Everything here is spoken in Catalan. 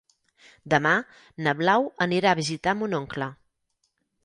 Demà na Blau anirà a visitar mon oncle.